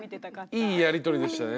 いいやりとりでしたね。